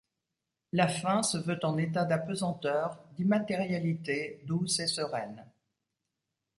La fin se veut en état d'apesanteur, d'immatérialité douce et sereine.